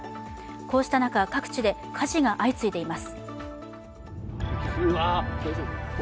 こうした中、各地で火事が相次いでいます。